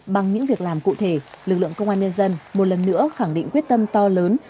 bằng những việc làm cụ thể lực lượng công an nhân dân một lần nữa khẳng định quyết tâm to lớn